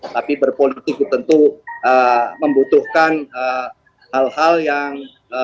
tapi berpolitik tentu membutuhkan hal hal yang